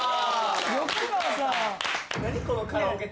横川さん。